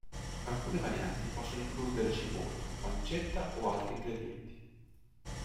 Alcune varianti possono includere cipolla, pancetta o altri ingredienti.